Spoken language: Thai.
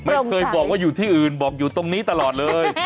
ไม่เคยบอกว่าอยู่ที่อื่นบอกอยู่ตรงนี้ตลอดเลย